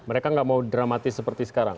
mereka nggak mau dramatis seperti sekarang